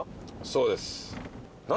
そうです何？